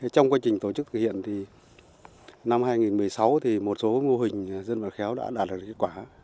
trong quá trình tổ chức thực hiện năm hai nghìn một mươi sáu một số mô hình dân vận khéo đã đạt được kết quả